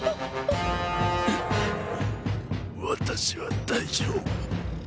私は大丈夫。